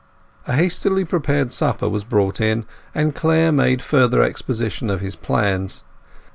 A hastily prepared supper was brought in, and Clare made further exposition of his plans.